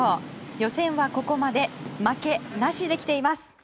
予選はここまで負けなしで来ています。